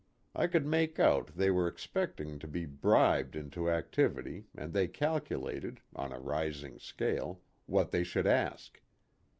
I could make out they were expecting to be bribed into activity and they calculated on a rising scale what they should ask.